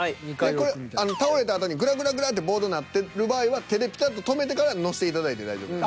これ倒れたあとにぐらぐらってボードなってる場合は手でピタッと止めてから乗せていただいて大丈夫です。